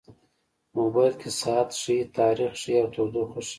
موبایل کې ساعت ښيي، تاریخ ښيي، او تودوخه ښيي.